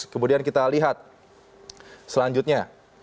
kemudian kita lihat selanjutnya